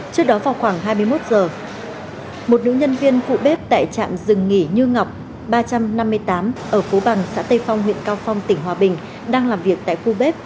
trước đó vào khoảng hai mươi một h một nữ nhân viên phụ bếp tại trạm dừng nghỉ như ngọc ba trăm năm mươi tám ở phố bằng xã tây phong huyện cao phong tỉnh hòa bình đang làm việc tại khu bếp